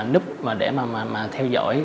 núp và để mà theo dõi